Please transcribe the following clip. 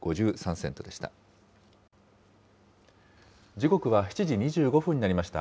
時刻は７時２５分になりました。